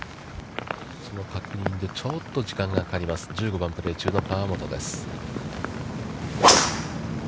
その確認でちょっと時間がかかります、１５番をプレー中の河本です。